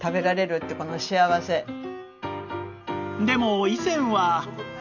でも以前は